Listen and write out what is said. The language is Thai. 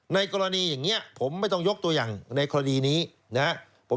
ในกรณีอย่างนี้ผมไม่ต้องยกตัวอย่างในคดีนี้นะครับ